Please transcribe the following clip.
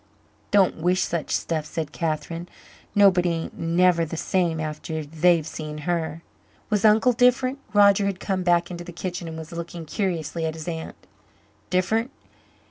"Don't wish such stuff," said Catherine. "Nobody ain't never the same after they've seen her." "Was Uncle different?" Roger had come back into the kitchen and was looking curiously at his aunt. "Diff'rent?